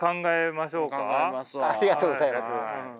ありがとうございます。